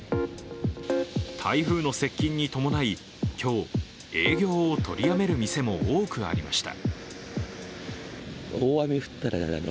台風の接近に伴い、今日営業を取りやめる店も多くありました。